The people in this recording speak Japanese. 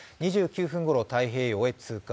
２９分ごろ、太平洋へ通過。